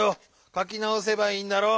かきなおせばいいんだろう？